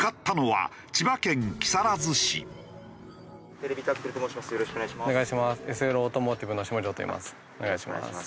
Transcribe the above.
はい。